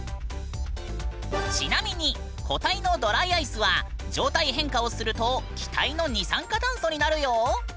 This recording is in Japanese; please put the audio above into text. ちなみに固体のドライアイスは状態変化をすると気体の二酸化炭素になるよ！